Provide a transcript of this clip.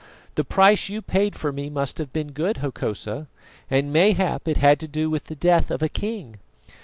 The price you paid for me must have been good, Hokosa, and mayhap it had to do with the death of a king."